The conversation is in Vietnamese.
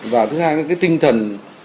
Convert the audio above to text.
và thứ hai là cái tinh thần